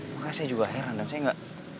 makanya saya juga heran dan saya nggak